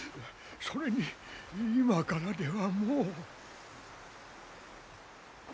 それに今からではもう。